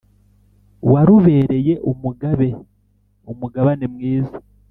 warubereye umugabe umugabane mwiza